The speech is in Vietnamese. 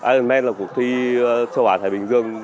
ironman là cuộc thi châu á thái bình dương